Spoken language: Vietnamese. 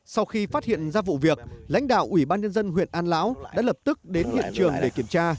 sau khi phát hiện ra vụ việc lãnh đạo ủy ban nhân dân huyện an lão đã lập tức đến hiện trường để kiểm tra